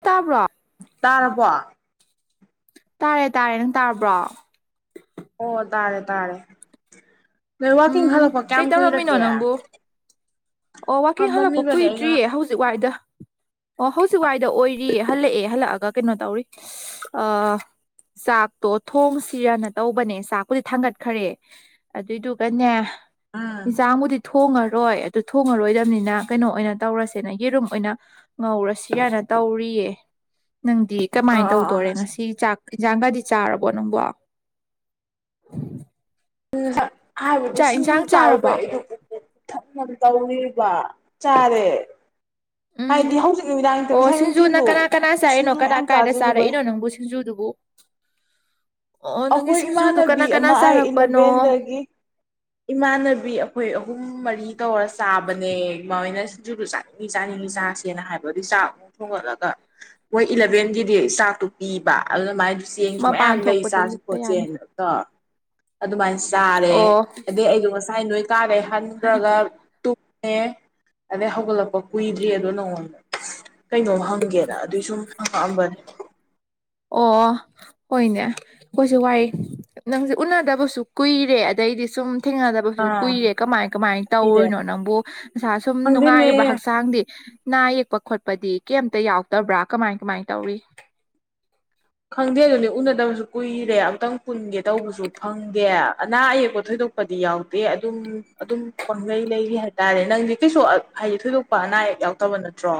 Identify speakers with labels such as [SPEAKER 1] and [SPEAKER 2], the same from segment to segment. [SPEAKER 1] ꯇꯥꯕ꯭ꯔꯣ
[SPEAKER 2] ꯇꯥꯔꯕꯣ
[SPEAKER 1] ꯇꯥꯔꯦ ꯇꯥꯔꯦ ꯅꯪ ꯇꯥꯕ꯭ꯔꯣ
[SPEAKER 2] ꯑꯣ ꯇꯥꯔꯦ ꯇꯥꯔꯦ ꯅꯣꯏ ꯋꯥꯛꯀꯤꯡ
[SPEAKER 1] ꯎꯝ
[SPEAKER 2] ꯍꯂꯛꯄ ꯀ꯭ꯌꯥꯝ
[SPEAKER 1] ꯀꯩ ꯇꯧꯔꯝꯃꯤꯅꯣ
[SPEAKER 2] ꯀꯨꯏꯔꯒꯦ
[SPEAKER 1] ꯅꯪꯕꯨ ꯑꯣ ꯋꯥꯀꯤꯡ ꯍꯜꯂꯛꯄ
[SPEAKER 2] ꯐꯝꯃꯝꯃꯤꯕꯅꯦ ꯑꯩ ꯉꯍꯥꯛ
[SPEAKER 1] ꯀꯨꯏꯗ꯭ꯔꯤꯌꯦ ꯍꯧꯖꯤꯛ ꯋꯥꯏꯗ
[SPEAKER 2] [inaudible]
[SPEAKER 1] ꯑꯣ ꯍꯧꯖꯤꯛ ꯋꯥꯏꯗ ꯑꯣꯏꯔꯤꯌꯦ ꯍꯜꯂꯛꯑꯦ ꯍꯜꯂꯛꯑꯒ ꯀꯩꯅꯣ ꯇꯧꯔꯤ ꯑ ꯆꯥꯛꯇꯣ ꯊꯣꯡꯁꯤꯔꯅ ꯇꯧꯕꯅꯦ ꯆꯥꯛꯄꯨꯗꯤ ꯊꯥꯡꯒꯠꯈꯔꯦ ꯑꯗꯨꯏꯗꯨꯒꯅꯦ
[SPEAKER 2] ꯎꯝ
[SPEAKER 1] ꯏꯟꯁꯥꯡꯕꯨꯗꯤ ꯊꯣꯡꯉꯔꯣꯏ ꯇꯨ ꯊꯣꯡꯉꯔꯣꯏꯗꯕꯅꯤꯅ ꯀꯩꯅꯣ ꯑꯣꯏꯅ ꯇꯧꯔꯁꯦꯅ ꯌꯦꯔꯨꯝ ꯑꯣꯏꯅ ꯉꯧꯔꯁꯤ ꯑꯅ ꯇꯧꯔꯤꯌꯦ
[SPEAKER 2] [inaudible]
[SPEAKER 1] ꯅꯪꯗꯤ
[SPEAKER 2] ꯑꯣ
[SPEAKER 1] ꯀꯃꯥꯏꯅ
[SPEAKER 2] ꯑꯣ
[SPEAKER 1] ꯇꯧꯗꯣꯔꯦ
[SPEAKER 2] ꯑꯣ
[SPEAKER 1] ꯉꯁꯤ ꯆꯥꯛ ꯏꯟꯖꯥꯡꯒꯗꯤ ꯆꯥꯔꯕ ꯑꯣ ꯅꯪꯕꯣ
[SPEAKER 2] ꯍꯥꯏꯕꯗꯤ
[SPEAKER 1] ꯆꯥꯛ
[SPEAKER 2] ꯁꯤꯡꯖꯨ
[SPEAKER 1] ꯏꯟꯁꯥꯡ ꯆꯥꯔꯕꯣ
[SPEAKER 2] ꯆꯥꯔꯨꯕꯩ ꯑꯩ ꯗꯣ ꯄꯨꯛ ꯄꯤꯛ ꯊꯟꯕ ꯇꯧꯔꯤꯕ ꯆꯥꯔꯦ
[SPEAKER 1] ꯎꯝ
[SPEAKER 2] ꯍꯥꯏꯗꯤ ꯍꯧꯖꯤꯛ ꯅꯨꯃꯤꯗꯥꯡ ꯅꯠꯇꯦ
[SPEAKER 1] ꯑꯣ
[SPEAKER 2] ꯉꯁꯥꯏ
[SPEAKER 1] ꯁꯤꯡꯖꯨꯅ
[SPEAKER 2] ꯅꯨꯡꯊꯤꯟꯗꯣ
[SPEAKER 1] ꯀꯅꯥ ꯀꯅꯥ ꯆꯥꯔꯤꯅꯣ
[SPEAKER 2] ꯁꯤꯡꯖꯨ
[SPEAKER 1] ꯀꯅꯥ
[SPEAKER 2] ꯃꯌꯥꯝ
[SPEAKER 1] ꯀꯥꯏꯗ ꯆꯥꯔꯛꯏꯅꯣ ꯅꯪꯕꯨ ꯁꯤꯡꯖꯨꯗꯨꯕꯨ ꯕꯨ
[SPEAKER 2] ꯑꯈꯣꯏ ꯏꯃꯥꯟꯅꯕꯤ
[SPEAKER 1] ꯀꯅꯥ ꯀꯅꯥ
[SPEAKER 2] ꯑꯃ ꯑꯥꯏ
[SPEAKER 1] ꯆꯥꯔꯛꯄꯅꯣ
[SPEAKER 2] ꯏꯂꯚꯦꯟꯗꯒꯤ ꯏꯃꯥꯟꯅꯕꯤ ꯑꯈꯣꯏ ꯑꯍꯨꯝ ꯃꯔꯤ ꯀꯔꯤ ꯇꯧꯔ ꯆꯥꯕꯅꯦ ꯃꯣꯏꯅ ꯁꯤꯡꯖꯨꯗꯨꯨ ꯆꯥꯅꯤꯡꯉꯤ ꯆꯥꯅꯤꯡꯉꯤ ꯆꯥꯁꯦꯅ ꯍꯥꯏꯕꯗꯤ ꯆꯥꯛ ꯑꯃꯨꯛ ꯊꯣꯡꯒꯠꯂꯒ ꯃꯣꯏ ꯏꯂꯚꯦꯟꯒꯤꯗꯤ ꯆꯥꯛꯇꯣ ꯄꯤꯕ ꯑꯗꯨꯅ ꯃꯥꯏ ꯆꯦꯡꯁꯨ
[SPEAKER 1] ꯃꯄꯥꯟ
[SPEAKER 2] ꯃꯌꯥꯝ ꯂꯩ
[SPEAKER 1] ꯊꯣꯛꯄꯗ
[SPEAKER 2] ꯆꯥꯁꯨ ꯄꯣ
[SPEAKER 1] ꯂꯤꯠꯄ ꯌꯥꯅꯤ
[SPEAKER 2] ꯆꯦꯟ ꯈꯛꯇ ꯑꯗꯨꯃꯥꯏꯅ ꯆꯥꯔꯦ
[SPEAKER 1] ꯑꯣ
[SPEAKER 2] ꯑꯗꯩ ꯑꯩꯗꯣ ꯉꯁꯥꯏ ꯅꯣꯏ ꯀꯥꯗꯩ ꯍꯟꯈ꯭ꯔꯒ ꯇꯨꯝ ꯑꯦ ꯑꯗꯩ ꯍꯧꯒꯠꯂꯛꯄ ꯀꯨꯏꯗ꯭ꯔꯤ ꯑꯗꯣ ꯅꯉꯣꯟꯗ ꯀꯩꯅꯣꯝ ꯍꯪꯒꯦꯅ ꯑꯗꯨꯏ ꯁꯨꯝ ꯍꯪꯉꯛꯑꯝꯕꯅꯦ
[SPEAKER 1] ꯑꯣ ꯍꯣꯏꯅꯦ ꯑꯩꯈꯣꯏꯁꯨ ꯋꯥꯏ ꯅꯪꯁꯦ ꯎꯅꯗꯕꯁꯨ ꯀꯨꯏꯔꯦ ꯑꯗꯩ ꯑꯩꯗꯤꯁꯨꯝ ꯊꯦꯡꯅꯗꯕꯁꯨ
[SPEAKER 2] ꯑꯥ
[SPEAKER 1] ꯀꯨꯏꯔꯦ ꯀꯃꯥꯏ ꯀꯃꯥꯏꯅ
[SPEAKER 2] ꯄꯤꯗꯦ
[SPEAKER 1] ꯇꯧꯔꯨꯔꯤꯅꯣ ꯅꯪꯕꯨ ꯅꯁꯥ ꯁꯨꯝ
[SPEAKER 2] ꯈꯪꯗꯦꯅꯦ
[SPEAKER 1] ꯅꯨꯡꯉꯥꯏꯔꯤꯕ ꯍꯛꯆꯥꯡꯗꯤ ꯅꯥ ꯌꯦꯛꯄ ꯈꯣꯠꯄꯗꯤ ꯀꯩꯝꯇ ꯌꯥꯎꯗꯕ꯭ꯔꯥ ꯀꯃꯥꯏ ꯀꯃꯥꯏ ꯇꯧꯔꯤ
[SPEAKER 2] ꯈꯪꯗꯦ ꯑꯗꯨꯅꯤ ꯎꯅꯗꯕꯁꯨ ꯀꯨꯏꯔꯦ ꯑꯝꯛꯇꯪ ꯄꯨꯟꯒꯦ ꯇꯧꯕꯁꯨ ꯐꯪꯗꯦ ꯑꯅꯥ ꯑꯌꯦꯛꯄ ꯊꯣꯏꯗꯣꯛ ꯊꯣꯏꯗꯣꯛꯄꯗꯤ ꯌꯥꯎꯗꯦ ꯑꯗꯨꯝ ꯑꯗꯨꯝ ꯄꯪꯂꯩ ꯂꯩꯔꯤ ꯍꯥꯏꯇꯥꯔꯦ ꯅꯪꯗꯤ ꯀꯩꯁꯨ ꯍꯥꯏꯗꯤ ꯊꯣꯏꯗꯣꯛꯄ ꯑꯅꯥ ꯌꯥꯎꯗꯕ ꯅꯠꯇ꯭ꯔꯣ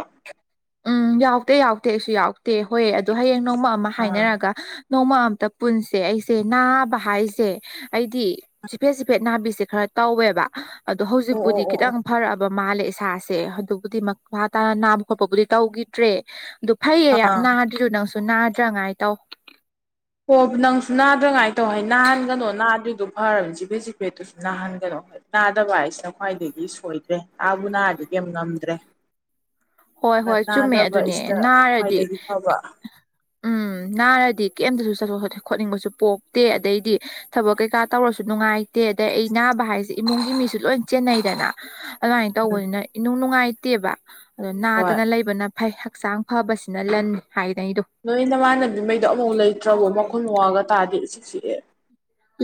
[SPEAKER 1] ꯎꯝ ꯌꯥꯎꯗꯦ ꯌꯥꯎꯗꯦ ꯑꯩꯁꯨ ꯌꯥꯎꯇꯦ ꯍꯣꯏ ꯑꯗꯣ ꯍꯌꯦꯡ ꯅꯣꯡꯃ ꯑꯃ
[SPEAKER 2] ꯑꯥ
[SPEAKER 1] ꯍꯥꯏꯅꯔꯒ ꯅꯣꯡꯃ ꯑꯝꯇ ꯄꯨꯟꯁꯦ ꯑꯩꯁꯦ ꯅꯥꯕ ꯍꯥꯏꯁꯦ ꯑꯩꯗꯤ ꯆꯤꯐꯦꯠ ꯆꯤꯐꯦꯠ ꯅꯥꯕꯤꯁꯦ ꯈꯔ ꯇꯧꯋꯦꯕ ꯑꯗꯣ
[SPEAKER 2] ꯑꯣ ꯑꯣ
[SPEAKER 1] ꯍꯧꯖꯤꯛꯄꯨꯗꯤ
[SPEAKER 2] ꯑꯣ ꯑꯣ
[SPEAKER 1] ꯈꯤꯇꯪ ꯐꯔꯛꯑꯕ ꯃꯥꯜꯂꯦ ꯏꯁꯥꯁꯦ ꯑꯗꯨꯕꯨꯗꯤ ꯃꯈꯥ ꯇꯥꯅ ꯅꯥꯕ ꯈꯣꯠꯄꯕꯨꯗꯤ ꯇꯧꯈꯤꯗ꯭ꯔꯦ ꯑꯗꯨ ꯐꯩꯌꯦ ꯌꯥꯝ
[SPEAKER 2] ꯑꯥ
[SPEAKER 1] ꯅꯥꯗ꯭ꯔꯤ ꯅꯪꯁꯨ ꯅꯥꯗ꯭ꯔꯉꯥꯏ ꯇꯧ
[SPEAKER 2] ꯑꯣ ꯅꯪꯁꯨ ꯅꯥꯗ꯭ꯔꯉꯥꯏ ꯇꯧ ꯍꯥꯏ ꯅꯥꯍꯟꯒꯅꯣ ꯅꯥꯗ꯭ꯔꯤꯗꯣ ꯐꯔꯕꯅꯤ ꯆꯤꯐꯦꯠ ꯆꯤꯐꯦꯠꯇꯨꯁꯨ ꯅꯥꯍꯟꯒꯅꯣ ꯅꯥꯗꯕ ꯍꯥꯏꯁꯤꯅ ꯈ꯭ꯋꯥꯏꯗꯒꯤ ꯁꯣꯏꯗ꯭ꯔꯦ ꯑꯥꯕꯨ ꯅꯥꯔꯗꯤ ꯀꯩꯌꯝ ꯉꯝꯗ꯭ꯔꯦ
[SPEAKER 1] ꯍꯣꯏ ꯍꯣꯏ ꯆꯨꯝꯃꯦ
[SPEAKER 2] ꯅꯥꯗꯕ
[SPEAKER 1] ꯑꯗꯨꯅꯦ
[SPEAKER 2] ꯏꯁꯤꯗ
[SPEAKER 1] ꯅꯥꯔꯗꯤ
[SPEAKER 2] ꯈ꯭ꯋꯥꯏꯗꯒꯤ ꯐꯕ
[SPEAKER 1] ꯎꯝ ꯅꯥꯔꯗꯤ ꯀꯩꯝꯇꯁꯨ ꯆꯠꯊꯣꯛꯠ ꯈꯣꯠꯅꯤꯡꯕꯁꯨ ꯄꯣꯛꯇꯦ ꯑꯗꯩꯗꯤ ꯊꯕꯛ ꯀꯩꯀꯥ ꯇꯧꯔꯁꯨ ꯅꯨꯡꯉꯥꯏ ꯇꯦ ꯑꯗꯩ ꯑꯩ ꯅꯥꯕ ꯍꯥꯏꯁꯦ ꯏꯃꯨꯡꯒꯤ ꯃꯤꯁꯨ ꯂꯣꯏ ꯆꯦꯟꯅꯩꯗꯅ ꯑꯗꯨꯃꯥꯏꯅ ꯇꯧꯕꯅꯤꯅ ꯏꯅꯨꯡ ꯅꯨꯡꯉꯥꯏ ꯇꯦꯕ ꯑꯗꯣ
[SPEAKER 2] ꯍꯣꯏ
[SPEAKER 1] ꯅꯥꯗꯅ ꯂꯩꯕꯅ ꯐꯩ ꯍꯛꯆꯥꯡ ꯐꯕꯁꯤꯅ ꯂꯟꯅꯤ ꯍꯥꯏꯗꯅꯤꯗꯣ
[SPEAKER 2] ꯅꯣꯏ ꯅꯃꯥꯟꯅꯕꯤꯉꯩꯗꯣ ꯑꯃꯐꯥꯎ ꯂꯩꯇ꯭ꯔꯕꯣ ꯃꯈꯣꯟ ꯃꯋꯥꯒ ꯇꯥꯗꯦ ꯏꯆꯤꯛ ꯆꯤꯛꯑꯦ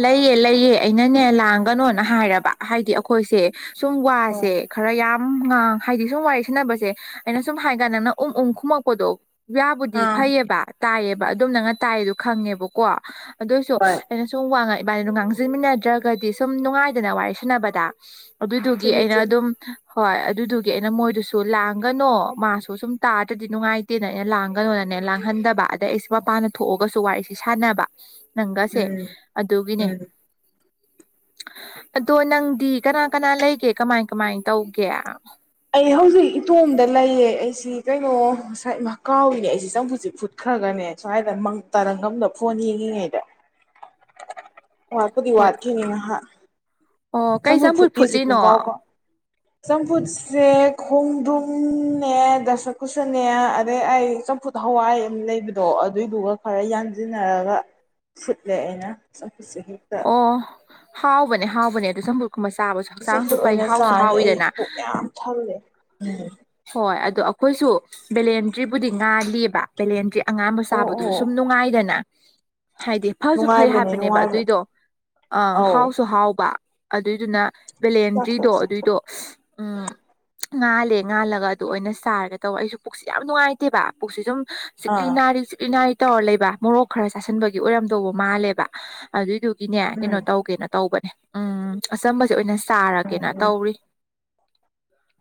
[SPEAKER 1] ꯂꯩꯑꯦ ꯂꯩꯌꯦ ꯑꯩꯅꯅꯦ ꯂꯥꯡꯒꯅꯣꯅ ꯍꯥꯏꯔꯕ ꯍꯥꯏꯗꯤ ꯑꯩꯈꯣꯏꯁꯦ ꯁꯨꯝ
[SPEAKER 2] ꯑꯣ
[SPEAKER 1] ꯋꯥꯁꯦ ꯈꯔ ꯌꯥꯝ ꯎꯝ ꯉꯥꯡ ꯍꯥꯏꯗꯤ ꯁꯨꯝ ꯋꯥꯔꯤ ꯁꯟꯅꯕꯁꯦ ꯑꯩꯅ ꯁꯨꯝ ꯍꯥꯏ ꯀꯥꯟ ꯅꯪꯅ ꯎꯝ ꯎꯝ ꯈꯨꯝꯃꯛꯄꯗꯣ ꯌꯥꯕꯨꯗꯤ
[SPEAKER 2] ꯑꯥ
[SPEAKER 1] ꯐꯩꯌꯦꯕ ꯇꯥꯏꯌꯦꯕ ꯑꯗꯨꯝ ꯅꯪꯅ ꯇꯥꯏꯌꯦꯗꯣ ꯈꯪꯉꯦꯕꯀꯣ ꯑꯗꯣꯏꯁꯨ
[SPEAKER 2] ꯍꯣꯏ
[SPEAKER 1] ꯑꯩꯅ ꯋꯥꯡꯉ ꯏꯕꯥꯅꯤꯗꯣ ꯉꯥꯡꯖꯤꯟꯃꯤꯟꯅꯗ꯭ꯔꯒꯗꯤ ꯁꯨꯝ ꯅꯨꯡꯉꯥꯏꯗꯅ ꯋꯥꯔꯤ ꯁꯥꯟꯅꯕꯗ ꯑꯗꯨꯢꯗꯨꯒꯤ
[SPEAKER 2] ꯆꯨꯝꯃꯤ
[SPEAKER 1] ꯑꯩꯅ
[SPEAKER 2] ꯆꯨꯝꯃꯤ
[SPEAKER 1] ꯑꯗꯨꯝ ꯍꯣꯏ ꯑꯗꯨꯗꯨꯒꯤ ꯑꯩꯅ ꯃꯣꯏꯗꯨꯁꯨ ꯂꯥꯡꯒꯅꯣ ꯃꯥꯁꯨ ꯁꯨꯝ ꯇꯥꯗ꯭ꯔꯗꯤ ꯅꯨꯡꯉꯥꯏꯇꯦꯅ ꯑꯩꯅ ꯂꯥꯡꯒꯅꯣꯅ ꯅ ꯂꯥꯡꯍꯟꯗꯕ ꯑꯗꯩ ꯑꯩꯁꯦ ꯃꯄꯥꯟꯗ ꯊꯣꯛꯑꯒꯁꯨ ꯋꯥꯔꯤꯁꯦ ꯁꯥꯟꯅꯕ ꯅꯪꯒꯁꯦ
[SPEAKER 2] ꯎꯝ
[SPEAKER 1] ꯑꯗꯨꯒꯤꯅꯦ
[SPEAKER 2] ꯎꯝ
[SPEAKER 1] ꯑꯗꯣ ꯅꯪꯗꯤ ꯀꯅꯥ ꯀꯅꯥ ꯂꯩꯒꯦ ꯀꯃꯥꯏ ꯀꯃꯥꯏ ꯇꯧꯒꯦ
[SPEAKER 2] ꯑꯩ ꯍꯧꯖꯤꯛ ꯏꯇꯣꯝꯗ ꯂꯩꯌꯦ ꯑꯩꯁ ꯁꯤ ꯀꯩꯅꯣ ꯉꯁꯥꯏ ꯃ ꯀꯥꯎꯏꯅꯦ ꯑꯩꯁꯦ ꯆꯝꯐꯨꯠꯁꯦ ꯐꯨꯠꯈ꯭ꯔꯒꯅꯦ ꯁ꯭ꯋꯥꯏꯗ ꯃꯪ ꯇꯥꯔꯪ ꯑꯃꯗ ꯐꯣꯟꯌꯦ ꯌꯦꯡꯉꯤꯉꯩꯗ ꯋꯥꯠꯄꯨꯗꯤ
[SPEAKER 1] ꯍꯣꯏ
[SPEAKER 2] ꯋꯥꯠꯈꯤꯅꯤ ꯉꯍꯥꯛ
[SPEAKER 1] ꯑꯣ ꯀꯩ
[SPEAKER 2] ꯆꯝꯐꯨꯠ ꯐꯨꯠꯂꯤꯁꯤ
[SPEAKER 1] ꯐꯨꯠꯂꯤꯅꯣ
[SPEAKER 2] ꯄꯨꯡꯀꯥꯎ ꯀꯥꯎ ꯆꯝꯐꯨꯠꯁꯦ ꯈꯣꯡꯗ꯭ꯔꯨꯝꯅꯦ ꯗꯥꯁꯥꯀꯨꯁꯅꯦ ꯑꯗꯩ ꯑꯩ ꯆꯝꯐꯨꯠ ꯍꯋꯥꯏ ꯑꯝ ꯂꯩꯕꯗꯣ ꯑꯗꯨꯏꯗꯨꯒ ꯈꯔ ꯌꯥꯟꯖꯤꯟꯅꯔꯒ ꯐꯨꯠꯂꯦ ꯑꯩꯅ ꯆꯐꯨꯠꯁꯦ ꯍꯦꯛꯇ
[SPEAKER 1] ꯑꯣ ꯍꯥꯎꯕꯅꯦ ꯍꯥꯎꯕꯅꯦ ꯑꯗꯨ ꯆꯝꯐꯨꯠ ꯀꯨꯝꯕ ꯆꯥꯕꯁꯨ ꯍꯛꯆꯥꯡꯁꯨ
[SPEAKER 2] ꯆꯝꯐꯨꯠ
[SPEAKER 1] ꯐꯩ
[SPEAKER 2] ꯑꯣꯏꯅ
[SPEAKER 1] ꯍꯥꯎꯁꯨ
[SPEAKER 2] ꯆꯥꯔꯅꯤ ꯑꯩ
[SPEAKER 1] ꯍꯥꯎꯋꯤꯗꯅ
[SPEAKER 2] ꯄꯨꯛ ꯌꯥꯝ ꯊꯜꯂꯦ ꯎꯝ
[SPEAKER 1] ꯍꯣꯏ ꯑꯗꯣ ꯑꯩꯈꯣꯏꯁꯨ ꯕꯦꯂꯦꯟꯗ꯭ꯔꯤꯕꯨꯗꯤ ꯉꯥꯜꯂꯤꯕ ꯕꯦꯂꯦꯟꯗ꯭ꯔꯤ ꯑꯉꯥꯟꯕ
[SPEAKER 2] ꯑꯣ
[SPEAKER 1] ꯆꯥꯕꯗꯨꯁꯨ
[SPEAKER 2] ꯑꯣ
[SPEAKER 1] ꯁꯨꯝ ꯅꯨꯡꯉꯥꯏꯗꯅ ꯍꯥꯏꯗꯤ ꯐꯁꯨ ꯐꯩ
[SPEAKER 2] ꯅꯨꯡꯉꯥꯏꯕꯅꯦ
[SPEAKER 1] ꯍꯥꯏꯕꯅꯦꯕ
[SPEAKER 2] ꯅꯨꯡꯉꯥꯏꯕꯅꯦ
[SPEAKER 1] ꯑꯗꯨꯏꯗꯣ ꯑ
[SPEAKER 2] ꯑꯧ
[SPEAKER 1] ꯍꯥꯎꯁꯨ ꯍꯥꯎꯕ ꯑꯗꯨꯏꯗꯨꯅ
[SPEAKER 2] ꯆꯥꯊꯣꯛ
[SPEAKER 1] ꯕꯦꯂꯦꯟꯗ꯭ꯔꯤꯗꯣ
[SPEAKER 2] ꯆꯥꯊꯣꯛ
[SPEAKER 1] ꯑꯗꯨꯏꯗꯣ ꯎꯝ ꯉꯥꯜꯂꯦ ꯉꯥꯜꯂꯒ ꯑꯗꯨ ꯑꯣꯏꯅ ꯆꯥꯔꯒꯦ ꯇꯧꯕ ꯑꯩꯁꯨ ꯄꯨꯛꯁꯤ ꯌꯥꯝ ꯅꯨꯡꯉꯥꯏꯇꯦꯕ ꯄꯨꯛꯁꯤ ꯁꯨꯝ ꯆꯤꯛꯂꯤ
[SPEAKER 2] ꯑꯥ
[SPEAKER 1] ꯅꯥꯔꯤ ꯆꯤꯛꯂꯤ ꯅꯥꯔꯤ ꯇꯧꯔ ꯂꯩꯕ ꯃꯣꯔꯣꯛ ꯈꯔ ꯆꯥꯁꯟꯕꯒꯤ ꯑꯣꯏꯔꯝꯗꯧꯕ ꯃꯥꯜꯂꯦꯕ ꯑꯗꯨꯏꯗꯨ ꯒꯤꯅꯦ ꯀꯩꯅꯣ
[SPEAKER 2] ꯎꯝ
[SPEAKER 1] ꯇꯧꯒꯦꯅ ꯇꯧꯕꯅꯦ ꯎꯝ ꯑꯆꯝꯕꯁꯦ ꯑꯣꯏꯅ ꯁꯥꯔꯒꯦꯅ
[SPEAKER 2] ꯎꯝ
[SPEAKER 1] ꯇꯧꯔꯤ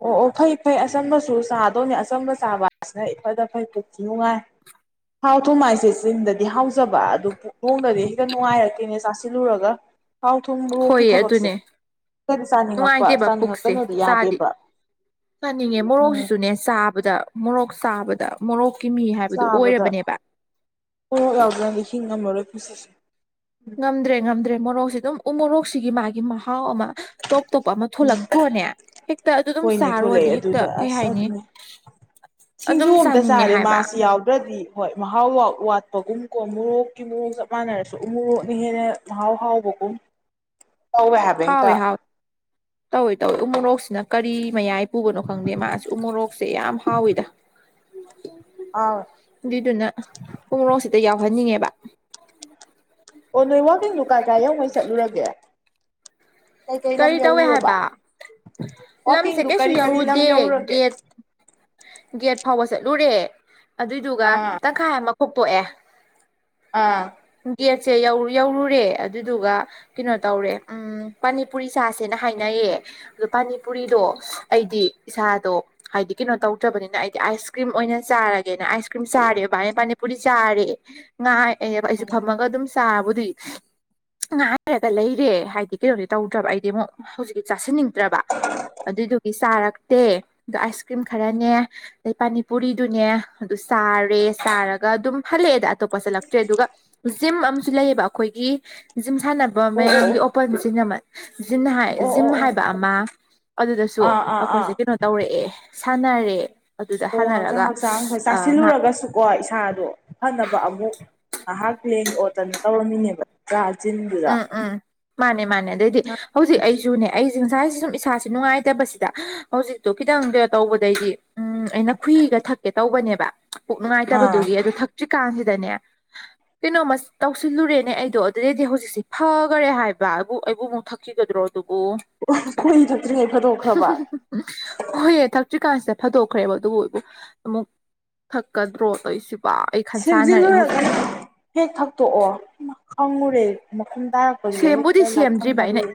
[SPEAKER 2] ꯑꯣ ꯑꯣ ꯐꯩ ꯐꯩ ꯑꯆꯝꯕꯁꯨ ꯆꯥꯗꯣꯅꯦ ꯑꯆꯝꯕ ꯆꯥꯕ ꯍꯥꯏꯁꯤꯅ ꯏꯐꯗ ꯐꯩ ꯄꯨꯛꯁꯨ ꯅꯨꯡꯉꯥꯏ ꯊꯥꯎ ꯊꯨꯝ ꯍꯥꯏꯁꯦ ꯆꯤꯟꯗꯗꯤ ꯍꯥꯎꯖꯕ ꯑꯗꯨ ꯄꯨꯛ ꯅꯨꯡꯗꯗꯤ ꯍꯦꯛꯇ ꯅꯨꯡꯉꯥꯏꯔꯛꯇꯦꯅꯦ ꯆꯥꯁꯤꯜꯂꯨꯔꯒ ꯊꯥꯎ ꯊꯨꯝ ꯃꯣꯔꯣꯛꯀꯤ
[SPEAKER 1] ꯍꯣꯏꯌꯦ
[SPEAKER 2] ꯊꯕꯛꯁꯦ
[SPEAKER 1] ꯑꯗꯨꯅꯦ
[SPEAKER 2] ꯔꯗꯤ ꯆꯥꯅꯤꯡꯉꯛꯄ
[SPEAKER 1] ꯅꯨꯡꯉꯥꯏꯇꯦꯕ ꯄꯨꯛꯁꯦ
[SPEAKER 2] ꯆꯥꯅꯤꯡꯉꯛꯀꯅꯣꯗꯤ
[SPEAKER 1] ꯆꯥꯗꯤ
[SPEAKER 2] ꯌꯥꯗꯦꯕ
[SPEAKER 1] ꯆꯥꯅꯤꯡꯉꯦ
[SPEAKER 2] ꯎꯝ
[SPEAKER 1] ꯃꯣꯔꯣꯛꯁꯤꯁꯨꯅꯦ ꯆꯥꯕꯗ ꯃꯣꯔꯣꯛ ꯆꯥꯕꯗ ꯃꯣꯔꯣꯛ
[SPEAKER 2] ꯆꯥꯕꯗ ꯃꯣꯔꯣꯛ ꯌꯥꯎꯗ꯭ꯔꯗꯤ ꯍꯤꯡ ꯉꯝꯃꯔꯣꯏ ꯄꯨꯁꯤꯁꯦ
[SPEAKER 1] ꯉꯝꯗ꯭ꯔꯦ ꯉꯝꯗ꯭ꯔꯦ ꯃꯣꯔꯣꯛꯁꯦ ꯗꯨꯝ ꯎ ꯃꯣꯔꯣꯛꯁꯤꯒꯤ ꯃꯥꯒꯤ ꯃꯍꯥꯎ ꯑꯃ ꯇꯣꯞ ꯇꯣꯞꯄ ꯑꯃ
[SPEAKER 2] ꯎꯝ
[SPEAKER 1] ꯊꯣꯛꯂꯛꯇ꯭ꯔꯣꯅꯦ ꯍꯦꯛꯇ ꯑꯗꯨ ꯗꯨꯝ
[SPEAKER 2] ꯍꯣꯏꯅꯦ
[SPEAKER 1] ꯆꯥꯔꯨꯔꯗꯤ
[SPEAKER 2] ꯊꯣꯛꯂꯛꯑꯦ
[SPEAKER 1] ꯍꯦꯛꯇ
[SPEAKER 2] ꯑꯗꯨꯗ
[SPEAKER 1] ꯀꯩ
[SPEAKER 2] ꯑꯁ
[SPEAKER 1] ꯍꯥꯏꯅꯤ
[SPEAKER 2] ꯑꯗꯨꯅꯦ ꯁꯤꯡꯖꯨ
[SPEAKER 1] ꯑꯗꯨꯝ
[SPEAKER 2] ꯑꯝꯇ
[SPEAKER 1] ꯆꯥꯅꯤꯡꯉꯦ
[SPEAKER 2] ꯆꯥꯔꯦ
[SPEAKER 1] ꯍꯥꯏꯕ
[SPEAKER 2] ꯃꯥꯁꯤ ꯌꯥꯎꯗ꯭ꯔꯗꯤ ꯍꯣꯏ ꯃꯍꯥꯎ ꯋꯥꯎ ꯋꯥ ꯄꯒꯨꯝ ꯀꯣ ꯃꯣꯔꯣꯛꯀꯤ ꯃꯣꯔꯣꯛ ꯆꯞ ꯃꯥꯟꯅꯔꯁꯨ ꯎ ꯃꯣꯔꯣꯛꯅ ꯍꯦꯟꯅ ꯃꯍꯥꯎ ꯍꯥꯎꯕꯒꯨꯝ ꯇꯧꯋꯦ ꯍꯥꯏꯕ ꯍꯦꯛꯇ
[SPEAKER 1] ꯍꯥꯎꯋꯦ ꯍꯥꯎꯋꯦ ꯇꯧꯋꯦ ꯇꯧꯋꯦ ꯎ ꯃꯣꯔꯣꯛꯁꯤꯅ ꯀꯔꯤ ꯃꯌꯥꯏ ꯄꯨꯕꯅꯣ ꯈꯪꯗꯦ ꯃꯥꯁꯨ ꯎꯃꯣꯔꯣꯛꯁꯦ ꯌꯥꯝ ꯍꯥꯎꯋꯤꯗ
[SPEAKER 2] [inaudible]
[SPEAKER 1] ꯗꯨꯏꯗꯨꯅ ꯎꯃꯣꯔꯣꯛ ꯁꯤꯗ ꯌꯥꯎꯍꯟꯅꯤꯡꯉꯦꯕ
[SPEAKER 2] ꯑꯣ ꯅꯣꯏ ꯋꯥꯛꯀꯤꯡꯗꯨ ꯀꯥꯏ ꯀꯥꯏ ꯌꯧꯉꯩ ꯆꯠꯂꯨꯔꯒꯦ ꯀꯩꯀꯩ ꯂꯝ
[SPEAKER 1] ꯀꯔꯤ ꯇꯧꯋꯦ
[SPEAKER 2] ꯌꯧꯔꯨꯔꯕ
[SPEAKER 1] ꯍꯥꯏꯕ ꯂꯝꯁꯦ
[SPEAKER 2] ꯋꯥꯀꯤꯡꯗꯨ
[SPEAKER 1] ꯀꯩꯁꯨ
[SPEAKER 2] ꯀꯔꯤ ꯀꯔꯤ ꯂꯝ
[SPEAKER 1] ꯌꯧꯔꯨꯗꯦ
[SPEAKER 2] ꯌꯧꯔꯨꯔꯒꯦ
[SPEAKER 1] ꯒꯦꯠ ꯒꯦꯠ ꯐꯥꯎꯕ ꯆꯠꯂꯨꯔꯦ ꯑꯗꯨꯏꯗꯨꯒ
[SPEAKER 2] ꯑꯥ
[SPEAKER 1] ꯇꯪꯈꯥꯏ ꯑꯃ ꯈꯣꯛꯇꯣꯛꯑꯦ
[SPEAKER 2] ꯑꯥ
[SPEAKER 1] ꯁꯦ ꯌꯧ ꯌꯧꯔꯨꯔꯦ ꯑꯗꯨꯗꯨꯒ ꯀꯩꯅꯣ ꯇꯧꯔꯦ ꯑꯝ ꯄꯥꯅꯤ ꯄꯨꯔꯤ ꯆꯥꯁꯦꯅ ꯍꯥꯏꯅꯩꯌꯦ ꯗ ꯄꯥꯅꯤ ꯄꯨꯔꯤꯗꯣ ꯑꯩꯗꯤ ꯏꯁꯥꯗꯣ ꯍꯥꯏꯗꯤ ꯀꯩꯅꯣ ꯇꯧꯗ꯭ꯔꯕꯅꯤꯅ ꯑꯩꯗꯤ ꯑꯥꯏꯁ ꯀ꯭ꯔꯤꯝ ꯑꯣꯏꯅ ꯆꯥꯔꯒꯦꯅ ꯑꯥꯏꯁ ꯀ꯭ꯔꯤꯝ ꯆꯥꯔꯦꯕ [unintelligible] ꯄꯨꯔꯤ ꯆꯥꯔꯦ ꯉꯥꯏꯑꯦꯕ ꯑꯩꯁꯨ ꯐꯝꯃꯒ ꯑꯗꯨꯝ ꯆꯥꯕꯨꯗꯤ ꯉꯥꯏꯔꯒ ꯂꯩꯔꯦ ꯍꯥꯏꯗꯤ ꯇꯧꯗ꯭ꯔꯥꯕ ꯑꯩꯗꯤ ꯑꯃꯨꯛ ꯍꯧꯖꯤꯛꯀꯤ ꯆꯥꯁꯤꯟꯅꯤꯡꯗ꯭ꯔꯕ ꯑꯗꯨꯏꯗꯨꯒꯤ ꯆꯥꯔꯛꯇꯦ ꯑꯗꯣ ꯑꯥꯏꯁ ꯀ꯭ꯔꯤꯝ ꯈꯔꯅꯦ ꯑꯗꯩ ꯄꯅꯤꯄꯨꯔꯤꯗꯨꯅꯦ ꯑꯗꯨ ꯆꯥꯔꯦ ꯆꯥꯔꯒ ꯑꯗꯨꯝ ꯍꯜꯂꯛꯑꯦꯗ ꯑꯇꯣꯞꯄ ꯆꯠꯂꯛꯇ꯭ꯔꯦ ꯑꯗꯨꯒ ꯖꯤꯝ ꯑꯃꯁꯨ ꯂꯩꯌꯦꯕ ꯑꯩꯈꯣꯏꯒꯤ ꯖꯤꯝ ꯁꯥꯟꯅꯕ
[SPEAKER 2] ꯑꯣ ꯑꯣ
[SPEAKER 1] ꯃꯌꯥꯝꯒꯤ ꯑꯣꯄꯟ ꯆꯤꯅꯃꯠ ꯖꯤꯟ ꯍꯥꯏ
[SPEAKER 2] ꯑꯣ ꯑꯣ
[SPEAKER 1] ꯖꯤꯝ
[SPEAKER 2] ꯑꯣ ꯑꯣ
[SPEAKER 1] ꯍꯥꯏꯕ ꯑꯃ ꯑꯗꯨꯗꯁꯨ
[SPEAKER 2] ꯑꯥ ꯑꯥ ꯑꯥ
[SPEAKER 1] ꯑꯩꯈꯣꯏꯁꯦ ꯀꯩꯅꯣ ꯇꯧꯔꯛꯑꯦ ꯁꯥꯟꯅꯔꯦ ꯑꯗꯨꯗ
[SPEAKER 2] ꯑꯣ ꯍꯛꯆꯥꯡ
[SPEAKER 1] ꯁꯥꯟꯅꯔꯒ
[SPEAKER 2] ꯍꯛꯆꯥꯡ ꯑꯈꯣꯏ
[SPEAKER 1] ꯉꯥꯏꯍꯥꯛ
[SPEAKER 2] ꯆꯥꯁꯤꯜꯂꯨꯔꯒꯁꯨꯀꯣ ꯏꯁꯥꯗꯣ ꯐꯅꯕ ꯑꯃꯨꯛ ꯉꯥꯏꯍꯥꯛ ꯂꯦꯡ ꯑꯣꯠꯇꯅ ꯇꯧꯔꯝꯃꯤꯅꯦꯕ ꯆꯥ ꯑꯖꯤꯟꯗꯨꯗ
[SPEAKER 1] ꯎꯝ ꯎꯝ ꯃꯥꯅꯦ ꯃꯥꯅꯦ ꯑꯗꯩꯗꯤ ꯍꯧꯖꯤꯛ ꯑꯩ ꯁꯨꯅꯦ ꯑꯩꯖꯦ ꯏꯖꯥꯁꯦ ꯁꯨꯝ ꯅꯨꯡꯉꯥꯏꯇꯕꯁꯤꯗ ꯍꯧꯖꯤꯛꯇꯣ ꯈꯤꯇꯪ ꯇꯧꯕꯗꯩꯗꯤ ꯎꯝ ꯑꯩꯅ ꯅꯈꯨꯏꯒꯈꯨꯍꯤꯛꯀꯦ ꯇꯧꯕꯅꯦꯕ ꯄꯨꯛ
[SPEAKER 2] ꯑꯥ
[SPEAKER 1] ꯉꯥꯏꯇꯕꯗꯨꯒꯤ ꯑꯗꯨ ꯊ ꯀꯥꯟꯁꯤꯗꯅꯦ ꯀꯩꯅꯣꯃ ꯇꯧꯁꯤꯜꯂꯨꯔꯦꯅꯦ ꯑꯩꯗꯣ ꯑꯗꯨꯗꯤ ꯍꯧꯖꯤꯛ ꯁꯤ ꯐꯒꯔꯦ ꯍꯥꯏꯕꯕꯨ ꯑꯩꯕꯨ ꯑꯃꯨꯛ ꯊꯛꯈꯤꯒꯗ꯭ꯔꯣ
[SPEAKER 2] ꯈꯣꯏꯍꯤ ꯊꯛꯇ꯭ꯔꯤꯉꯩ ꯐꯗꯣꯛꯈ꯭ꯔꯕ
[SPEAKER 1] [unintelligible] ꯍꯣꯏꯐꯌꯝꯝꯑꯗꯛꯊꯛ ꯆ꯭ꯔꯤꯀꯥꯟꯁꯤꯗ ꯐꯥꯗꯣꯛꯈ꯭ꯔꯦꯕ ꯑꯗꯨꯕꯨ ꯑꯩꯕꯨ ꯑꯃꯨꯛ ꯊꯛꯀ ꯗ꯭ꯔꯣ ꯇꯧꯏꯁꯤꯕꯨ
[SPEAKER 2] ꯁꯦꯝꯖꯤꯜꯂꯨꯔꯒꯅ ꯍꯦꯛ ꯊꯛꯇꯣꯛꯑꯣ ꯈꯪꯉꯨꯔꯦ ꯆꯨꯝ ꯇꯥꯔꯛꯄꯖꯤꯗ ꯑꯩꯗꯤ ꯍꯦꯛꯇ ꯂꯥꯏꯈꯪꯅꯔꯨꯔꯦ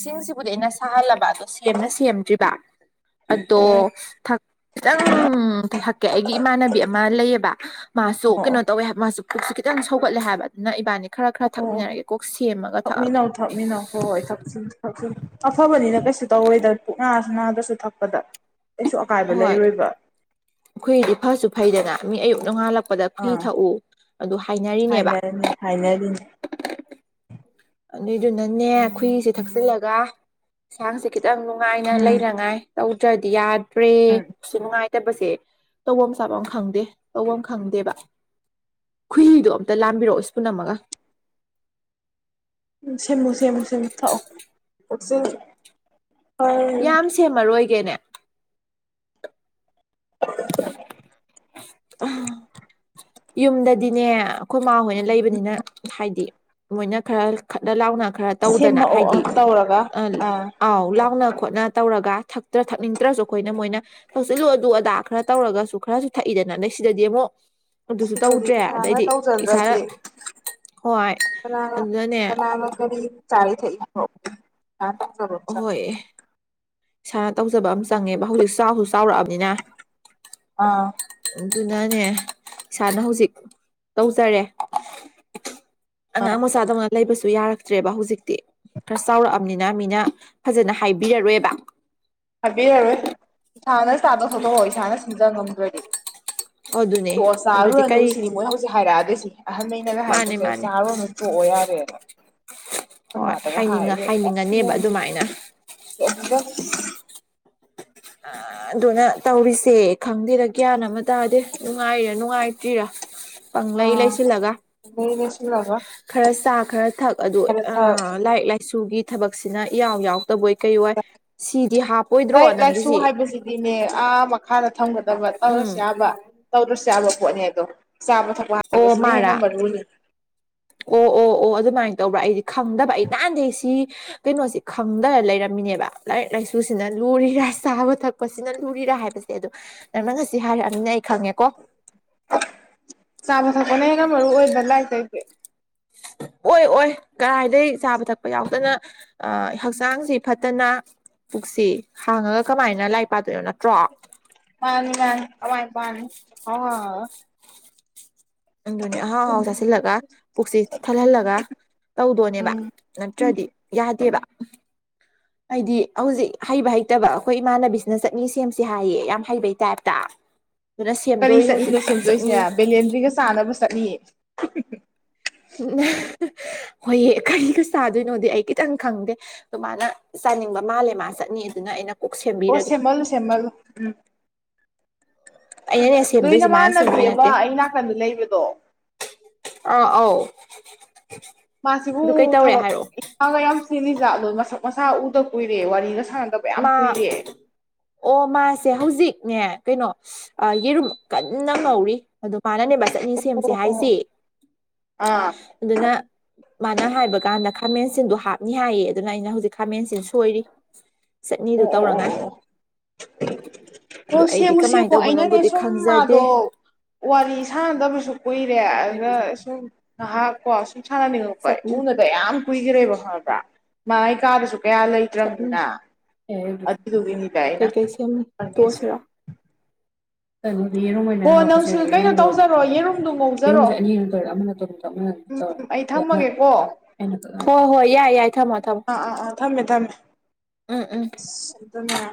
[SPEAKER 1] ꯁꯤꯡꯁꯤꯕꯨꯗꯤ ꯑꯩꯅ ꯁꯥꯍꯜꯂꯕ ꯑꯗꯣ ꯁꯦꯝꯅ ꯁꯦꯝꯗ꯭ꯔꯤꯕ ꯑꯗꯣ ꯊꯛ ꯈꯤꯇꯪ ꯊꯛꯀꯦ ꯑꯩꯒꯤ ꯏꯃꯥꯟꯅꯕꯤ ꯑꯃ ꯂꯩꯌꯦꯕ ꯃꯥꯁꯦ ꯂꯥꯀꯈꯤ ꯁꯨ
[SPEAKER 2] ꯑꯣ
[SPEAKER 1] ꯀꯩꯅꯣ
[SPEAKER 2] ꯑꯣ
[SPEAKER 1] ꯇꯧꯋꯦ ꯍꯥꯏꯕ ꯃꯥꯁꯨ ꯄꯨꯛꯁꯨ ꯈꯤꯇꯪ ꯁꯧꯒꯠꯂꯦ ꯍꯥꯏꯕ ꯑꯗꯨꯅ ꯏꯕꯥꯅꯤ ꯈꯔ ꯊꯛ
[SPEAKER 2] ꯑꯣ ꯑꯣ ꯊꯛꯃꯤꯟꯅꯧ ꯊꯛꯃꯤꯟꯅꯧ ꯍꯣꯏ ꯍꯣꯏ ꯊꯁꯦ ꯊꯁꯦ ꯑꯐꯕꯅꯤꯅ ꯀꯩꯁꯨ ꯇꯧꯔꯣꯢꯗ ꯄꯨꯛ ꯅꯥꯔꯁꯨ ꯅꯥꯗ꯭ꯔꯁꯨ ꯊꯛꯄꯗ ꯀꯩꯁꯨ ꯑꯀꯥꯏꯕ ꯂꯩꯔꯣꯏꯕ
[SPEAKER 1] ꯑꯈꯣꯏꯒꯤꯗꯤ ꯐꯁꯨ ꯐꯩꯗꯅ ꯃꯤ ꯑꯌꯨꯛ ꯅꯣꯡꯉꯥꯜꯂꯛ ꯊꯛꯄꯗ ꯈꯨꯨꯏ
[SPEAKER 2] ꯑꯥ
[SPEAKER 1] ꯊꯛꯎ ꯑꯗꯨ ꯑꯗꯨ ꯍꯥꯏꯅꯔꯤꯅꯦꯕ
[SPEAKER 2] ꯍꯥꯏꯅꯔꯤꯅꯤ ꯍꯥꯏꯅꯔꯤꯅꯤ
[SPEAKER 1] ꯑꯗꯨꯏꯗꯨꯅꯅꯦ ꯈꯨꯏꯁꯦ ꯊꯛꯆꯤꯜꯂꯒ ꯏꯁꯥꯡꯁꯦ ꯈꯤꯇꯪ ꯅꯨꯡꯉꯥꯏꯅ
[SPEAKER 2] ꯎꯝ
[SPEAKER 1] ꯂꯩꯅꯉꯥꯏ ꯇꯧꯗ꯭ꯔꯗꯤ ꯌꯥꯗ꯭ꯔꯦ
[SPEAKER 2] ꯎꯝ
[SPEAKER 1] ꯁꯤꯃꯉꯥꯏ ꯇꯕꯋꯦꯁꯦ ꯇꯧꯕꯐꯝ ꯆꯥꯐꯝ ꯑꯃ ꯈꯪꯗꯦ ꯇꯧꯕꯐꯝ ꯈꯪꯗꯦꯕ ꯈꯨꯍꯤꯗꯨꯣ ꯑꯝꯇ ꯂꯥꯝꯕꯤꯔꯛꯑꯣꯁꯏꯌ ꯏꯄꯨꯅꯝꯃꯒ
[SPEAKER 2] ꯁꯦꯝꯃꯨ ꯁꯦꯝꯃꯨ ꯁꯦꯝꯃꯨ ꯊꯑꯣꯆ
[SPEAKER 1] ꯌꯥꯝ ꯁꯦꯝꯃꯔꯣꯏꯒꯦꯅꯦ
[SPEAKER 2] [unintelligible]
[SPEAKER 1] [unintelligible] ꯌꯨꯝꯗꯗꯤꯅꯦ ꯑꯩꯈ ꯎꯃꯥ ꯍꯣꯏꯅ ꯂꯩꯕꯅꯤꯅ ꯍꯥꯏꯗꯤ ꯃꯣꯏꯅ ꯈꯔ ꯈꯠꯅ ꯂꯥꯎꯅ ꯈꯔ ꯇꯧꯗꯅ
[SPEAKER 2] ꯁꯦꯝꯃꯛꯑꯣ
[SPEAKER 1] ꯍꯥꯏꯗꯤ
[SPEAKER 2] ꯇꯧꯔꯒ
[SPEAKER 1] ꯑꯥ ꯑꯥꯎ ꯂꯥꯎꯅ ꯈꯣꯠꯅ ꯇꯧꯔꯒ ꯊꯛꯇ꯭ꯔ ꯊꯛꯅꯤꯡꯗ꯭ꯔꯁꯨ ꯑꯩꯈꯣꯏꯅ ꯃꯣꯏꯅ ꯇꯧꯁꯤꯜꯂꯨ ꯑꯗꯨ ꯑꯗꯥ ꯈꯔ ꯇꯧꯔꯒꯁꯨ ꯈꯔꯁꯨ ꯊꯛꯏꯗꯅ ꯂꯩ ꯁꯤꯗꯗꯤ ꯑꯃꯨꯛ ꯑꯗꯨꯁꯨ
[SPEAKER 2] ꯁꯤꯗꯗꯤ
[SPEAKER 1] ꯇꯧꯗ꯭ꯔꯦ
[SPEAKER 2] ꯏꯁꯥꯅ
[SPEAKER 1] ꯑꯗꯩꯗꯤ ꯏꯁꯥꯅ
[SPEAKER 2] ꯇꯧꯖꯗ꯭ꯔꯗꯤ
[SPEAKER 1] ꯍꯣꯏ ꯑꯗꯨꯗꯅꯦ
[SPEAKER 2] ꯆꯔꯤ ꯊꯥꯛꯏ [unintelligible]
[SPEAKER 1] ꯍꯣꯏ ꯏꯁꯥꯅ ꯇꯧꯖꯕ ꯑꯃ ꯆꯪꯉꯦꯕ ꯍꯧꯖꯤꯛ ꯆꯥꯎꯁꯨ ꯆꯥꯎꯔꯛꯑꯕꯅꯤꯅ
[SPEAKER 2] ꯑꯥ
[SPEAKER 1] ꯑꯗꯨꯅꯅꯦ ꯏꯁꯥꯅ ꯍꯧꯖꯤꯛ ꯇꯧꯖꯔꯦ ꯑꯉꯥꯡ ꯃꯆꯥꯥꯗꯧꯉꯥꯛ ꯂꯩꯕꯁꯨ ꯌꯥꯔꯛ ꯇ꯭ꯔꯦꯕ ꯍꯧꯖꯤꯛꯇꯤ ꯈꯔ ꯆꯥꯎꯔꯛꯑꯕꯅꯤꯅ ꯃꯤꯅ ꯐꯖꯅ ꯍꯥꯏꯕꯤꯔꯔꯣꯏꯕ
[SPEAKER 2] ꯍꯥꯏꯕꯤꯔꯔꯣꯏ ꯏꯁꯥꯅ ꯆꯥꯗꯣꯛ ꯊꯧꯇꯣꯛꯑꯣ ꯏꯁꯥꯅ ꯁꯤꯟꯖ ꯉꯝꯗ꯭ꯔꯗꯤ
[SPEAKER 1] ꯑꯗꯨꯅꯦ
[SPEAKER 2] ꯇꯣꯛ
[SPEAKER 1] ꯑꯗꯨꯗꯤ
[SPEAKER 2] ꯆꯥꯔꯨꯔꯅꯨ
[SPEAKER 1] ꯀꯔꯤ
[SPEAKER 2] ꯁꯤꯅꯤ ꯃꯣꯏꯅ ꯍꯧꯖꯤꯛ ꯍꯥꯏꯔꯛꯑꯗꯣꯏꯁꯤ ꯑꯍꯟꯈꯩꯅꯒ
[SPEAKER 1] ꯃꯥꯅꯦ
[SPEAKER 2] ꯍꯥꯏꯗꯣꯁꯤ
[SPEAKER 1] ꯃꯥꯅꯦ
[SPEAKER 2] ꯆꯥꯔꯨꯔꯅꯨ ꯇꯣꯛꯑꯣ ꯌꯥꯔꯦꯅ ꯑꯩꯈꯣꯏ
[SPEAKER 1] ꯍꯣꯏ
[SPEAKER 2] ꯃꯥꯗꯒ ꯍꯥꯏ
[SPEAKER 1] ꯍꯥꯏꯅꯤꯡꯉ
[SPEAKER 2] ꯑꯁ
[SPEAKER 1] ꯍꯥꯏꯅꯤꯡꯉꯅꯦꯕ
[SPEAKER 2] ꯃꯣꯏꯁꯤꯗꯤ
[SPEAKER 1] ꯑꯗꯨꯃꯥꯏꯅ
[SPEAKER 2] ꯀꯦꯝꯇ [unintelligible]
[SPEAKER 1] ꯑ ꯑꯗꯨꯅ ꯇꯧꯔꯤꯁꯦ ꯈꯪꯗꯦꯗ ꯒ꯭ꯌꯥꯟ ꯑꯃ ꯇꯥꯗꯦ ꯅꯨꯡꯉꯥꯏꯔ ꯅꯨꯡꯉꯥꯏꯇ꯭ꯔꯤꯔꯥ ꯄꯪ ꯂꯩ
[SPEAKER 2] ꯑꯥ
[SPEAKER 1] ꯂꯩꯁꯤꯂꯒ
[SPEAKER 2] ꯑꯗꯩ ꯂꯣꯏꯁꯤꯜꯂꯒ
[SPEAKER 1] ꯈꯔ ꯆꯥ ꯈꯔ ꯊꯛ ꯑꯗꯨ
[SPEAKER 2] ꯈꯔ
[SPEAKER 1] ꯑ
[SPEAKER 2] ꯊꯛ
[SPEAKER 1] ꯂꯥꯏꯔꯤꯛ ꯂꯥꯏꯁꯨꯒꯤ ꯊꯕꯛꯁꯤꯅ ꯏꯌꯥꯎ ꯌꯥꯎꯗꯕꯣꯏ ꯀꯩ ꯑꯣꯏ ꯁꯤꯗꯤ ꯍꯥꯞꯄꯣꯏꯗ꯭ꯔꯣ ꯅꯪꯒꯤꯁꯤ
[SPEAKER 2] ꯑꯗꯨꯗꯤꯅꯦ ꯑꯥ ꯃꯈꯥꯗ ꯊꯝꯒꯗꯕ
[SPEAKER 1] ꯎꯝ
[SPEAKER 2] ꯇꯧꯔꯁꯨ ꯌꯥꯕ ꯇꯧꯗ꯭ꯔꯁꯨ ꯌꯥꯕ ꯄꯣꯠꯅꯦ ꯑꯗꯣ ꯆꯥꯕ ꯊꯛꯄ
[SPEAKER 1] ꯑꯣ
[SPEAKER 2] ꯍꯥꯏꯕꯁꯤꯅ
[SPEAKER 1] ꯃꯥꯔꯥ
[SPEAKER 2] ꯍꯦꯟꯅ ꯃꯔꯨꯅꯤ
[SPEAKER 1] ꯑꯣ ꯑꯣ ꯑꯣ ꯑꯗꯨꯃꯥꯏꯅ ꯇꯧꯕ꯭ꯔꯥ ꯑꯩꯗꯤ ꯈꯪꯗꯕ ꯑꯩ ꯅꯥꯥꯟꯗꯩ ꯁꯤ ꯀꯩꯅꯣꯁꯤ ꯈꯪꯗꯔ ꯂꯩꯔꯝꯃꯤꯅꯦꯕ ꯂꯥꯏꯔꯤꯛ ꯂꯥꯏꯁꯨꯁꯤꯅ ꯂꯨꯔꯤꯔꯥ ꯆꯥꯕ ꯊꯛꯄꯁꯤꯅ ꯂꯨꯔꯤꯔꯥ ꯍꯥꯏꯕꯁꯦ ꯑꯗꯣ ꯅꯪꯅ ꯉꯁꯤ ꯍꯥꯏꯔꯛꯑꯅꯤꯅ ꯑꯩ ꯈꯪꯉꯦꯀꯣ
[SPEAKER 2] ꯆꯥꯕ ꯊꯛꯄꯅ ꯍꯦꯟꯅ ꯃꯔꯨ ꯑꯣꯏꯕ ꯂꯥꯏꯔꯤꯛ ꯇꯒꯤ
[SPEAKER 1] ꯑꯣꯏ ꯑꯣꯏ ꯀꯗꯥꯥꯏꯗꯒꯤ ꯆꯥꯕ ꯊꯛꯄ ꯌꯥꯎꯗꯅ ꯍꯛꯆꯥꯡꯁꯤ ꯐꯠꯇꯅ ꯄꯨꯛꯁꯤ ꯍꯥꯡꯉꯒ ꯀꯃꯥꯏꯅ ꯂꯥꯏ ꯄꯥꯗꯣꯏꯅꯣ ꯅ
[SPEAKER 2] ꯃꯥꯅꯤ ꯃꯥꯅꯤ ꯑꯋꯥꯥꯏ ꯄꯥꯛꯑꯅꯤ [unintelligible]
[SPEAKER 1] ꯑꯗꯨꯅꯤ ꯑꯍꯥꯎ ꯑꯍꯥꯎ ꯆꯥꯁꯤꯜꯂꯒ ꯄꯨꯛꯁꯤ ꯊꯜꯍꯜꯂꯒ ꯇꯧꯗꯣꯅꯦꯕ
[SPEAKER 2] ꯎꯝ
[SPEAKER 1] ꯅꯠꯇ꯭ꯔꯗꯤ ꯌꯥꯗꯦꯕ ꯍꯥꯏꯗꯤ ꯍꯧꯖꯤꯛ ꯍꯩꯕ ꯍꯩꯇꯕ ꯑꯩꯈꯣꯏ ꯏꯃꯥꯟꯅꯕꯤꯁꯤꯅ ꯆꯠꯅꯤ ꯁꯦꯝꯁ ꯍꯥꯏꯌꯦ ꯌꯥꯝ ꯍꯩꯕꯩ ꯇꯥꯏꯞꯇ ꯑꯗꯨꯅ
[SPEAKER 2] ꯀꯔꯤ
[SPEAKER 1] ꯁꯦꯝꯗꯣꯔꯤ ꯍꯧꯖꯤꯛ
[SPEAKER 2] ꯆꯠꯂꯤꯅꯣ ꯁꯦꯝꯗꯣꯏꯁꯦ
[SPEAKER 1] ꯆꯠꯅꯤ
[SPEAKER 2] ꯕꯦꯂꯦꯟꯗ꯭ꯔꯤꯒ ꯆꯥꯅꯕ ꯆꯠꯅꯤ [unintelligible]
[SPEAKER 1] ꯎ ꯍꯣꯏ ꯀꯔꯤꯗ ꯆꯥꯗꯣꯏꯅꯣꯗꯤ ꯑꯩ ꯈꯤꯇꯪ ꯈꯪꯗꯦ ꯑꯗꯨꯃꯅ ꯆꯥꯅꯤꯡꯕ ꯃꯥꯜꯂꯦ ꯃꯥ ꯆꯠꯅꯤ ꯑꯗꯨꯅ ꯑꯩꯅ ꯀꯣꯛ
[SPEAKER 2] ꯑꯣ
[SPEAKER 1] ꯁꯦꯝꯕꯤꯔꯒꯦ
[SPEAKER 2] ꯁꯦꯃꯜꯂꯨ ꯁꯦꯃꯜꯂꯨ ꯎꯝ
[SPEAKER 1] ꯑꯩꯅꯅꯦ
[SPEAKER 2] ꯅꯣꯏ
[SPEAKER 1] ꯁꯦꯝꯗꯣꯏꯁꯤ ꯃꯥꯅ
[SPEAKER 2] ꯅꯃꯥꯟꯅꯕꯤ
[SPEAKER 1] ꯁꯦꯝꯗꯣꯏ
[SPEAKER 2] ꯑꯃ
[SPEAKER 1] ꯅꯠꯇꯦ
[SPEAKER 2] ꯑꯩ ꯅꯥꯀꯟꯗ ꯂꯩꯕꯗꯣ
[SPEAKER 1] ꯑꯥ ꯑꯧ
[SPEAKER 2] ꯃꯥꯁꯤꯕꯨ
[SPEAKER 1] ꯑꯗꯨ ꯀꯩ ꯇꯧꯔꯦ
[SPEAKER 2] ꯊꯕꯛ
[SPEAKER 1] ꯍꯥꯏꯔꯛꯑꯣ
[SPEAKER 2] ꯏꯡꯈꯥꯡꯒ ꯌꯥꯝ ꯁꯤꯜꯂꯤ ꯖꯥꯠꯂꯣꯏ ꯃꯁꯛ ꯃꯁꯥ ꯎꯗ ꯀꯨꯏꯔꯦ ꯋꯥꯔꯤꯒ ꯁꯪꯗꯧꯕ ꯌꯥꯝ
[SPEAKER 1] ꯃꯥ
[SPEAKER 2] ꯀꯨꯏꯔꯦ
[SPEAKER 1] ꯑꯣ ꯃꯥꯁꯦ ꯍꯧꯖꯤꯛꯅꯦ ꯀꯩꯅꯣ ꯌꯦꯔꯨꯝ ꯀꯟꯅ ꯉꯧꯔꯤ ꯑꯗꯨ ꯃꯥꯅꯅꯦꯕ ꯆꯠꯅꯤ ꯁꯦꯝꯁꯦ
[SPEAKER 2] ꯑꯣ ꯑꯣ
[SPEAKER 1] ꯍꯥꯏꯁꯤ
[SPEAKER 2] ꯑꯥ
[SPEAKER 1] ꯑꯗꯨꯅ ꯃꯥꯅ ꯍꯥꯏꯕ ꯀꯥꯟꯗ ꯈꯥꯃꯦꯟꯁꯤꯟꯗꯣ ꯍꯥꯞꯅꯤ ꯍꯥꯏꯌꯦ ꯑꯗꯨꯅ ꯑꯩꯅ ꯍꯧꯖꯤꯛ ꯈꯥꯃꯦꯟꯁꯤꯟ ꯁꯣꯏꯔꯤ ꯆꯠꯅꯤꯗꯨ
[SPEAKER 2] ꯑꯣ
[SPEAKER 1] ꯇꯧꯅꯉꯥꯏ ꯑꯗꯣ
[SPEAKER 2] ꯍ
[SPEAKER 1] ꯑꯩꯗꯤ
[SPEAKER 2] ꯁꯦꯝꯃꯨ
[SPEAKER 1] ꯀꯃꯥꯏꯅ
[SPEAKER 2] ꯁꯦꯝꯃꯨ ꯑꯩꯅꯅꯦ
[SPEAKER 1] ꯇꯧꯕꯅꯣꯕꯨꯗꯤ
[SPEAKER 2] ꯁꯨꯝ
[SPEAKER 1] ꯈꯪꯖꯗꯦ
[SPEAKER 2] ꯃꯥꯗꯣ ꯋꯥꯔꯤ ꯁꯥꯟꯅꯗꯕꯁꯨ ꯀꯨꯏ ꯔꯦ ꯑꯗꯨꯒ ꯁꯨꯝ ꯉꯥꯏꯍꯥꯛ ꯀꯣ ꯁꯨꯝ ꯁꯥꯟꯅꯅꯤꯡꯉꯛꯄ
[SPEAKER 1] ꯆꯠꯅꯤ
[SPEAKER 2] ꯎꯅꯗ ꯌꯥꯝ ꯀꯨꯏꯈ꯭ꯔꯦꯕ ꯈꯪꯉꯕ꯭ꯔ ꯃꯥꯥꯏ ꯑꯩ ꯀꯥꯗꯁꯨ ꯀꯌꯥ
[SPEAKER 1] ꯆꯠꯅꯤ
[SPEAKER 2] ꯂꯩꯇ꯭ꯔꯝꯅꯤꯅ ꯑꯗꯨꯗꯨꯒꯤꯅꯤꯗ ꯑꯩꯅ ꯐꯪꯉꯤꯁꯦ
[SPEAKER 1] ꯇꯣꯛꯑꯁꯤꯔ ꯎꯝ ꯌꯦꯔꯨꯝ ꯑꯣꯏꯅ
[SPEAKER 2] ꯍꯣ ꯅꯪꯁꯨ
[SPEAKER 1] ꯍꯥꯄꯁꯤꯔ
[SPEAKER 2] ꯀꯩꯅꯣ
[SPEAKER 1] ꯌꯦꯔꯨꯝꯗꯣ ꯑꯣꯏꯅ
[SPEAKER 2] ꯇꯧꯖꯔꯣ ꯌꯦꯔꯨꯝꯗꯨ ꯉꯧꯖꯔꯣ
[SPEAKER 1] ꯌꯦꯔꯨꯝꯁꯦ ꯑꯅꯤ ꯑ ꯇꯧꯔꯦ ꯑꯃꯅ ꯇ ꯑꯃꯅꯝ ꯇꯧꯔꯦ
[SPEAKER 2] ꯑꯩ ꯊꯝꯃꯒꯦꯀꯣ
[SPEAKER 1] ꯍꯣꯏ ꯍꯣꯏ ꯌꯥꯏ ꯌꯥꯏ ꯊꯝꯃꯣ ꯊꯝꯃꯣ ꯎꯝ ꯎꯝ
[SPEAKER 2] ꯁꯤꯗꯅꯦ